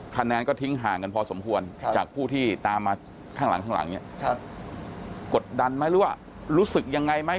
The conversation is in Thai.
คะแนนก็ทิ้งห่างกันพอสมควรจากผู้ที่ตามมาข้างหลังข้างหลังเนี่ยกดดันไหมหรือว่ารู้สึกยังไงไหม